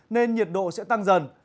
nên nhiệt độ sẽ tăng dần